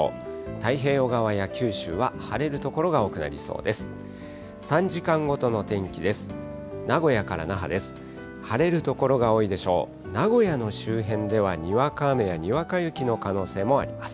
太平洋側や九州は晴れる所が多くなりそうです。